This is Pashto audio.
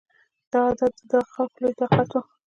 دا عادت د دغه خلکو لوی طاقت و